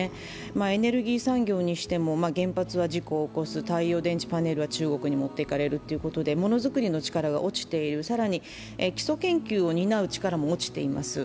エネルギー産業にしても原発は事故を起こす、太陽電池パネルは中国にもっていかれるということでものづくりの力が落ちている、更に基礎研究を担う力も落ちています。